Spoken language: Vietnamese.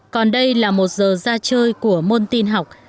còn đây là một giờ ra chơi của môn tin học